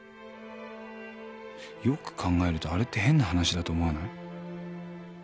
よく考えるとあれって変な話だと思わない？